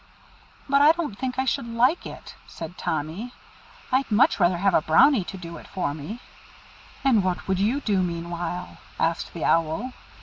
'" "But I don't think I should like it," said Tommy. "I'd much rather have a Brownie to do it for me." "And what would you do meanwhile?" asked the Owl.